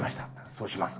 そうします。